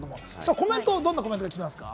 コメントはどんなコメントが来ていますか？